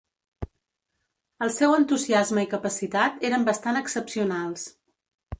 El seu entusiasme i capacitat eren bastant excepcionals.